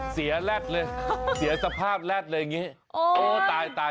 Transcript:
เสียแร็กเลยเสียสภาพแร็กเลยอย่างนี้